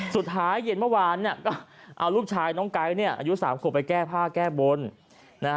สุดท้ายเย็นเมื่อวานเนี่ยลูกชายน้องไก๊อายุ๓ขวบไปแก้ผ้าแก้บน